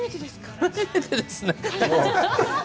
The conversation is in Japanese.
初めてですね。